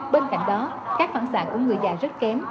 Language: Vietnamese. bên cạnh đó các phản xạ của người già rất kém